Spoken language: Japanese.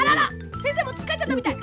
せんせいもつっかえちゃったみたい。